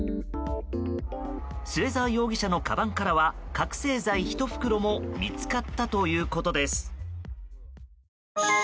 末澤容疑者のかばんからは覚醒剤１袋も見つかったということです。